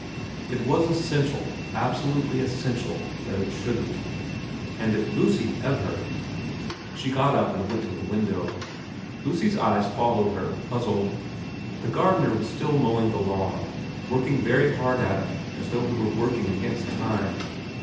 It was essential, absolutely essential, that it shouldn't. And if Lucy ever She got up and went to the window. Lucy's eyes followed her, puzzled. The gardener was still mowing the lawn, working very hard at it as though he were working against time.